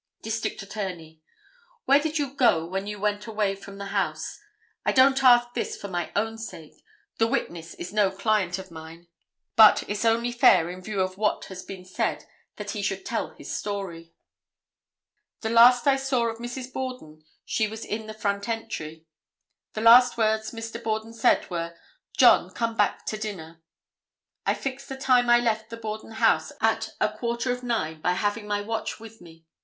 District Attorney—"Where did you go when you went away from the house? I don't ask this for my own sake. The witness is no client of mine, but it's only fair in view of what has been said that he should tell his story." [Illustration: CAPTAIN PHILIP H. HARRINGTON.] "The last I saw of Mrs. Borden she was in the front entry. The last words Mr. Borden said were: 'John, come back to dinner.' I fix the time I left the Borden house at a quarter of 9 by having my watch with me.